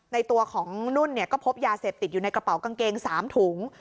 ในตัวของนุ่นก็พบยาเสพติดอยู่ในกระเป๋ากางเกง๓ถุง